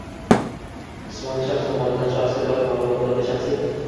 jismoniy shaxs tomonidan shaxsga doir ma’lumotlarga shaxsiy